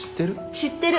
知ってる。